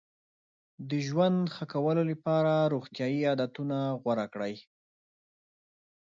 د ژوند ښه کولو لپاره روغتیایي عادتونه غوره کړئ.